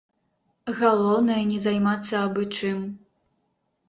Галоўнае не займацца абы чым.